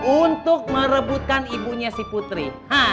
untuk merebutkan ibunya si putri